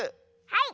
はい！